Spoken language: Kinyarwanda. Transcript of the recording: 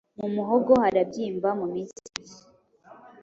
mu muhogo harabyimba, mu minsi mike